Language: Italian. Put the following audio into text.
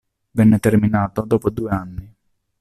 Venne terminato dopo due anni.